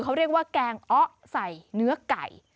เขาเรียกว่าแกงอะใส่เนื้อไก่